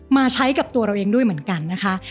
มาใช้กับตัวเราเองด้วยเหมือนกันนะคะ